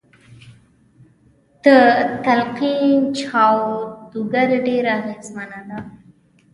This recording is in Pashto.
د تلقين جادوګري ډېره اغېزمنه ده.